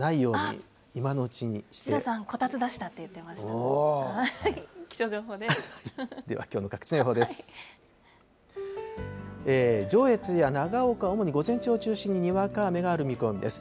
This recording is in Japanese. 上越や長岡、主に午前中を中心ににわか雨がある見込みです。